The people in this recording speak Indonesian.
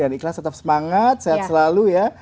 dan iqlas tetap semangat sehat selalu ya